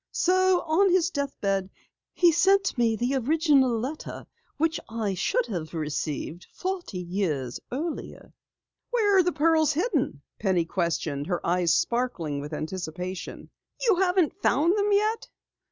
So on his death bed he sent me the original letter which I should have received forty years earlier." "Where were the pearls hidden?" Penny questioned, her eyes sparkling with anticipation. "You haven't found them yet?"